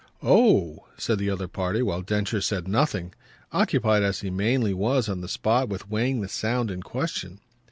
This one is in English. "Oh!" said the other party while Densher said nothing occupied as he mainly was on the spot with weighing the sound in question.